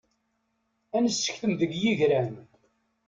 Ad nessektem deg yigran.